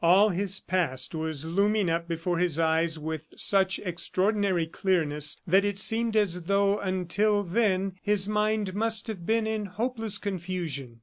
All his past was looming up before his eyes with such extraordinary clearness that it seemed as though until then his mind must have been in hopeless confusion.